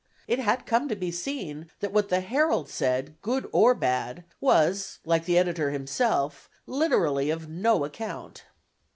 It had come to be seen that what the Herald said, good or bad, was, like the editor himself, literally of "no account."